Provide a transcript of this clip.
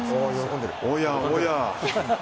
おやおや。